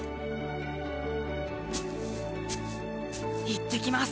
行ってきます